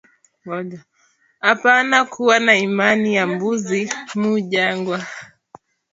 Apana kuwa na imani ya mbuzi mu jangwa